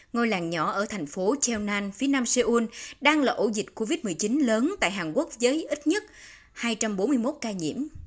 ngôi làng nhỏ ở thành phố cheona phía nam seoul đang là ổ dịch covid một mươi chín lớn tại hàn quốc với ít nhất hai trăm bốn mươi một ca nhiễm